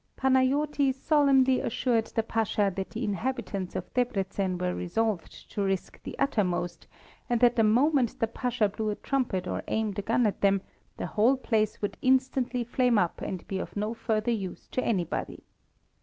Panajoti solemnly assured the Pasha that the inhabitants of Debreczen were resolved to risk the uttermost, and that the moment the Pasha blew a trumpet or aimed a gun at them, the whole place would instantly flame up and be of no further use to anybody.